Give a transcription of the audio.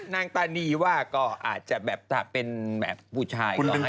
นางตานีว่าก็อาจจะแบบถ้าเป็นแบบผู้ชายก็ให้